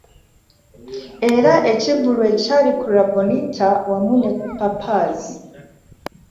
Era ekivvulu ekyali ku Labonita wamu ne ku Papaz